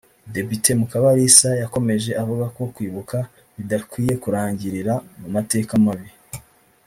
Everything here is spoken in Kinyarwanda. Depite Mukabalisa yakomeje avuga ko kwibuka bidakwiye kurangirira mu mateka mabi